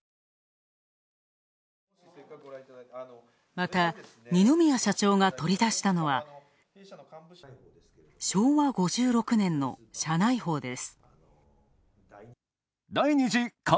また、二宮社長が取り出したのは、昭和５６年の社内報です。